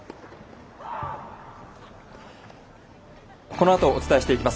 このあとお伝えしていきます